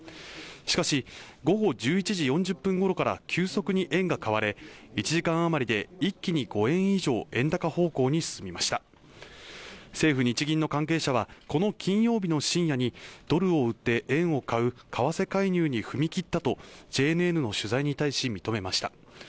しかし午後１１時４０分ごろから急速に円が買われ１時間余りで一気に５円以上円高方向に進みました政府・日銀の関係者はこの金曜日の深夜にドルを売って円を買う為替介入に踏み切ったとＪＮＮの取材に対し認めました